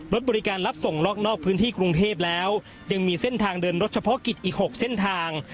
รถบริการรับส่งนอกพื้นที่กรุงเทพแล้วยังมีเส้นทางเดินรถเฉพาะกิจอีก๖เส้นทาง